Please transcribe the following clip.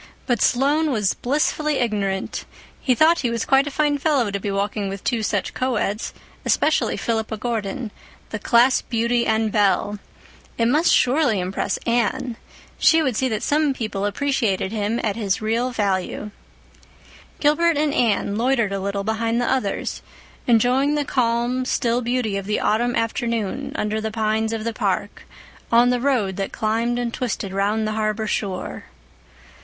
But Sloane was blissfully ignorant; he thought he was quite a fine fellow to be walking with two such coeds, especially Philippa Gordon, the class beauty and belle. It must surely impress Anne. She would see that some people appreciated him at his real value. Gilbert and Anne loitered a little behind the others, enjoying the calm, still beauty of the autumn afternoon under the pines of the park, on the road that climbed and twisted round the harbor shore.